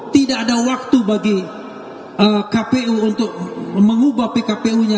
tidak ada waktu bagi kpu untuk mengubah pkpu nya